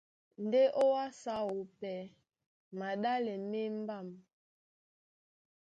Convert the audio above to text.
Ndé ó wásē áō pɛ́ maɗále má embám.